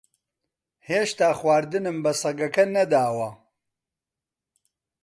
ھێشتا خواردنم بە سەگەکە نەداوە.